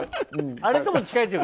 あれとも近いっていうか。